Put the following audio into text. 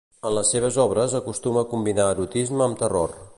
En les seves obres acostuma a combinar erotisme amb terror.